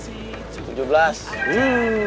hmm tanyain umur sensi